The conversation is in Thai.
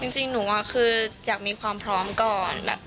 จริงหนูคืออยากมีความพร้อมก่อน